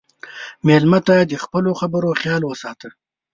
مېلمه ته د خپلو خبرو خیال وساته.